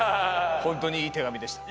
本当にいい手紙でした。